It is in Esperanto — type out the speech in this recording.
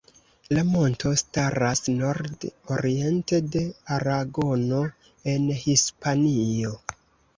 La monto staras nord-oriente de Aragono, en Hispanio.